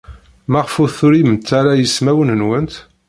Maɣef ur turimet ara ismawen-nwent?